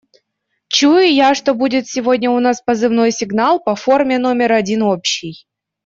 Чую я, что будет сегодня у нас позывной сигнал по форме номер один общий.